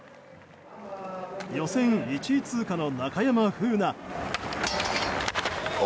予選１位通過の中山楓奈。